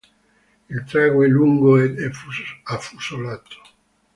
Il trago è lungo ed affusolato.